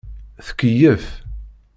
Tkeyyef.